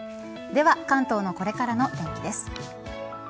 では、関東のこれからのお天気です。